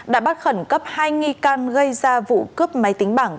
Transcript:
đã bắt khẩn cấp hai nghi can gây ra vụ cướp máy tính bảng